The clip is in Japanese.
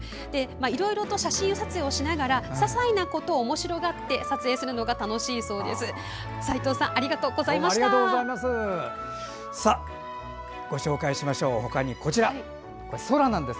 いろいろと写真撮影しながらささいなことをおもしろがって撮影するのが楽しいそうです。